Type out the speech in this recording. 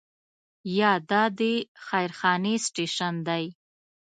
یا دا د خیر خانې سټیشن دی.